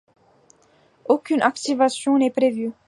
Aucune activation n'est prévue.